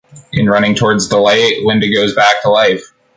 In running towards the light, Linda goes back to life.